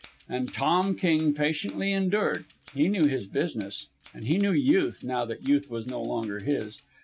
And Tom King patiently endured. He knew his business, and he knew Youth now that Youth was no longer his.